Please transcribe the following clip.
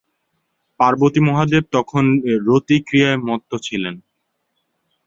পার্বতী-মহাদেব তখন রতি ক্রিয়ায় মত্ত ছিলেন।